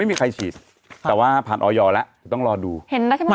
อะไรอีกแค่นิดหน่อย